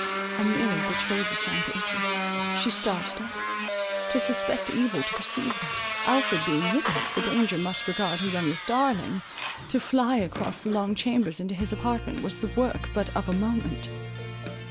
A mirror betrayed the sign to Idris—she started up. To suspect evil, to perceive that, Alfred being with us, the danger must regard her youngest darling, to fly across the long chambers into his apartment, was the work but of a moment.